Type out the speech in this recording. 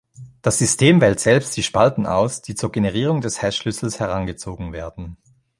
Das System wählt selbst die Spalten aus, die zur Generierung des Hash-Schlüssels herangezogen werden.